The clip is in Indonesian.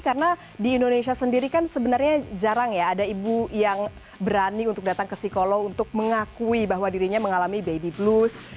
karena di indonesia sendiri kan sebenarnya jarang ya ada ibu yang berani untuk datang ke psikolog untuk mengakui bahwa dirinya mengalami baby blues